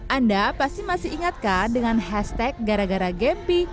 anda pasti masih ingatkah dengan hashtag gara gara gempi